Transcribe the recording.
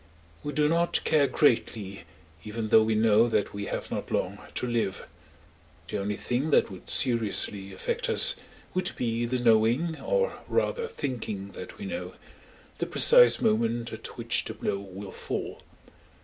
We do not care greatly even though we know that we have not long to live; the only thing that would seriously affect us would be the knowing—or rather thinking that we know—the precise moment at which the blow will fall.